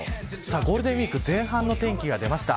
ゴールデンウイーク前半の天気が出ました。